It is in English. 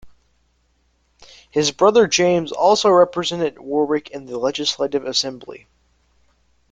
His brother James also represented Warwick in the legislative assembly.